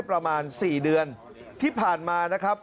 แต่ตอนนี้ติดต่อน้องไม่ได้